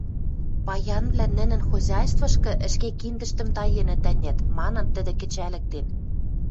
«Паянвлӓ нӹнӹн хозяйствышкы ӹшке киндӹштӹм таенӹт, ӓнят» манын, тӹдӹ кӹчӓлӹктен.